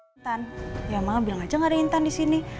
intan ya mama bilang aja gak ada intan disini